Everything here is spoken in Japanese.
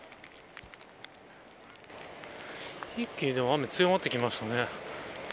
雨、強まってきましたね。